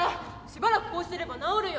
しばらくこうしてれば治るよ。